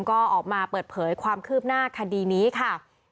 ก็ออกมาเปิดเผยความคืบหน้าคดีนี้ค่ะ